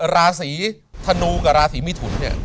ราศีธนูกับราศีมิถุนเนี่ย